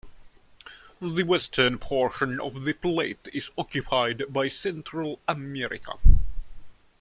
The western portion of the plate is occupied by Central America.